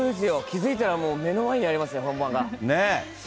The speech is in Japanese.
気付いたら、もう目の前にありました、本番が。ねぇ。